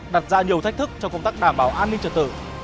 đặt ra nhiều thách thức cho công tác đảm bảo an ninh trật tự